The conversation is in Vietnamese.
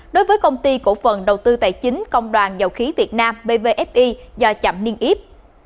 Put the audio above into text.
đối với công ty cổ phần đầu tư tài chính công đoàn dầu khí việt nam bvfi do chậm niêm yếp